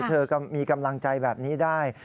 เธอก็มีกำลังใจแบบนี้ได้